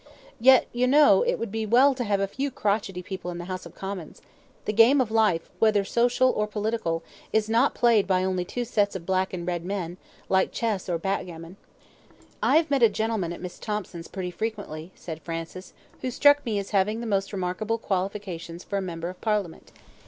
Yet, you know, it would be well to have a few crotchety people in the House of Commons. The game of life, whether social or political, is not played by only two sets of black and red men like chess or backgammon." "I have met a gentleman at Miss Thomson's pretty frequently," said Francis, "who struck me as having the most remarkable qualifications for a member of Parliament.